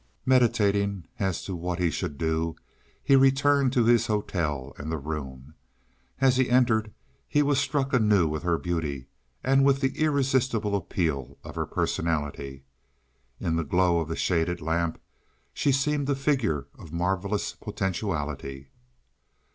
Meditating as to what he should do, he returned to his hotel, and the room. As he entered he was struck anew with her beauty, and with the irresistible appeal of her personality. In the glow of the shaded lamp she seemed a figure of marvelous potentiality.